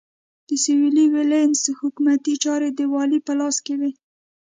د سوېلي ویلز حکومتي چارې د والي په لاس کې وې.